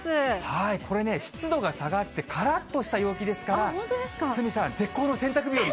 これね、湿度が下がって、からっとした陽気ですから、鷲見さん、絶好の洗濯日和。